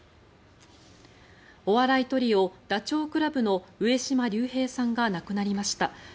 お笑いトリオダチョウ倶楽部の上島竜兵さんが亡くなりました。